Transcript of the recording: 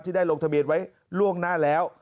ได้ลงทะเบียนไว้ล่วงหน้าแล้ว